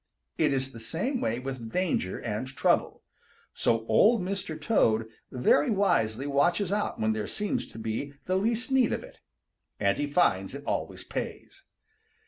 It is the same way with danger and trouble. So Old Mr. Toad very wisely watches out when there seems to be the least need of it, and he finds it always pays.